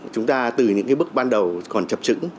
chúng ta từ những cái bước ban đầu còn chập trứng